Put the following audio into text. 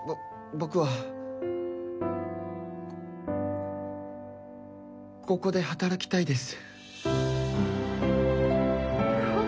僕はここで働きたいです